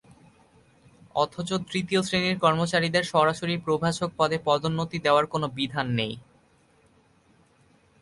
অথচ তৃতীয় শ্রেণির কর্মচারীদের সরাসরি প্রভাষক পদে পদোন্নতি দেওয়ার কোনো বিধান নেই।